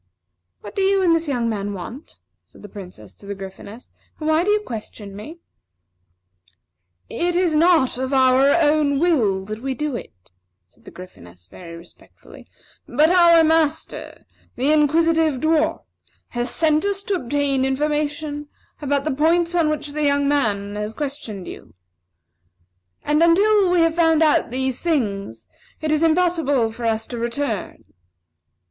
"What do you and this young man want?" said the Princess to the Gryphoness, "and why do you question me?" "It is not of our own will that we do it," said the Gryphoness, very respectfully; "but our master, the Inquisitive Dwarf, has sent us to obtain information about the points on which the young man questioned you; and until we have found out these things, it is impossible for us to return."